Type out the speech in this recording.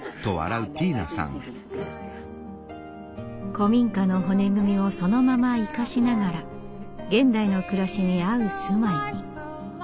古民家の骨組みをそのまま生かしながら現代の暮らしに合う住まいに。